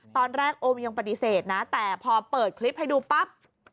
ตอนแรกโอมยังปฏิเสธนะแต่พอเปิดคลิปให้ดูปั๊บ